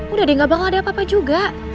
udah deh gak bakal ada apa apa juga